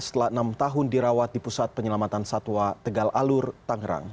setelah enam tahun dirawat di pusat penyelamatan satwa tegal alur tangerang